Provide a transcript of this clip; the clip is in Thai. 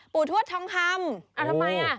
ปู่ทวดทองคำทำไม